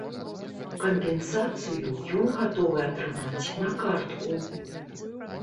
Кампенсацыю ён гатовы атрымаць на картку.